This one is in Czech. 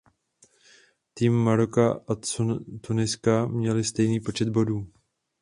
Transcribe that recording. Týmy Maroka a Tuniska měly stejný počet bodů.